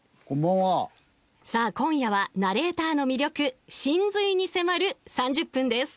「さあ今夜はナレーターの魅力神髄に迫る３０分です」